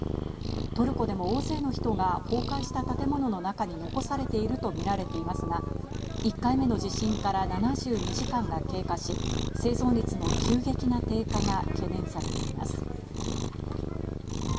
トルコでも大勢の人が崩壊した建物の中に残されていると見られますが、１回目の地震から７２時間が経過し、生存率の急激な低下が懸念されています。